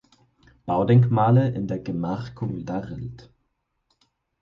Baudenkmale in der Gemarkung Larrelt.